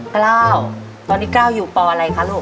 กล้าวตอนนี้กล้าวอยู่ปอะไรคะลูก